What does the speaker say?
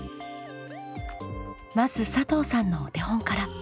まず佐藤さんのお手本から。